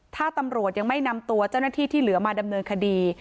ถ้าตำรวจยังไม่นำตัวเจ้าหน้าที่ที่เหลือมาดำเนินคดี